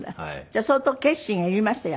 じゃあ相当決心がいりました？